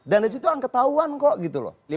dan disitu angketahuan kok gitu loh